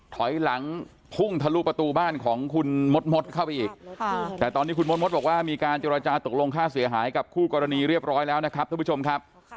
ถอยหลังพุ่งทะลุประตูบ้านของคุณมดเข้าไปอีกแต่ตอนนี้คุณมดมดบอกว่ามีการเจรจาตกลงค่าเสียหายกับคู่กรณีเรียบร้อยแล้วนะครับท่านผู้ชมครับ